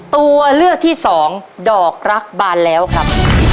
ตัวเลือกที่สองดอกรักบานแล้วครับ